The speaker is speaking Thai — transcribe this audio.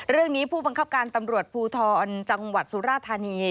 เรื่องนี้ผู้บังคับการตำรวจภูทรจังหวัดสุราธารณี